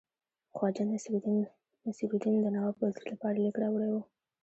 خواجه نصیرالدین د نواب وزیر لپاره لیک راوړی وو.